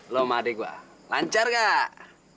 lo sama adik gua lancar gak